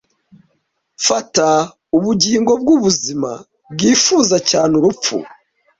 Fata ubugingo bwubuzima bwifuza cyane urupfu;